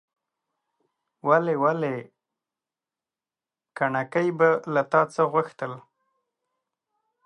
ولي! ولي! کڼکۍ به له تا څه غوښتاى ،